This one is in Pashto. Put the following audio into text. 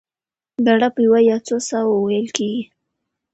ګړه په یوه یا څو ساه وو وېل کېږي.